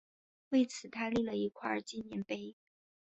为此他立了一块纪念碑。